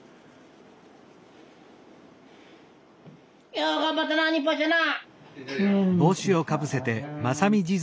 よう頑張ったな日本一やな。